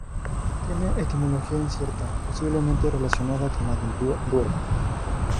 Tiene etimología incierta, posiblemente relacionada con la del río Duero.